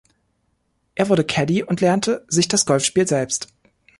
Er wurde Caddie und lernte sich das Golfspiel selbst.